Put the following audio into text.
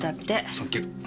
サンキュ。